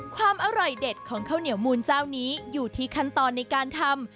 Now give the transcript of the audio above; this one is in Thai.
ความอร่อยเด็ดของข้าวเหนียวมูลเจ้านี้อยู่ที่ขั้นตอนในการทำ